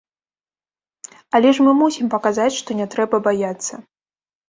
Але ж мы мусім паказаць, што не трэба баяцца.